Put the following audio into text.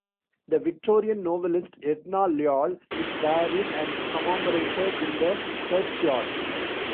The Victorian novelist, Edna Lyall, is buried and commemorated in the churchyard.